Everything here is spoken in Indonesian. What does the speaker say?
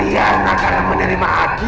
banyak banget burungnya kak